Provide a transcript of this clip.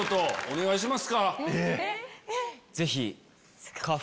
お願いします。